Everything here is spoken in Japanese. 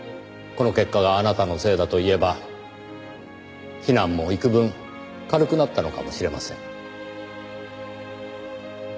この結果があなたのせいだと言えば非難もいくぶん軽くなったのかもしれません。